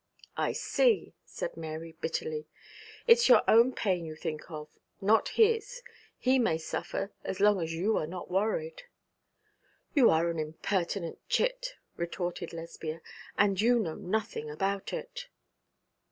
'I see,' said Mary, bitterly. 'It is your own pain you think of, not his. He may suffer, so long as you are not worried.' 'You are an impertinent chit,' retorted Lesbia, 'and you know nothing about it.'